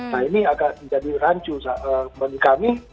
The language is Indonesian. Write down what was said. nah ini agak jadi rancu bagi kami